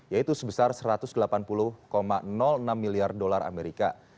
yaitu sebesar satu ratus delapan puluh enam miliar dolar amerika